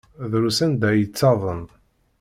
Drus anda ay yettaḍen.